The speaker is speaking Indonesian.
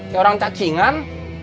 kayak orang cacingan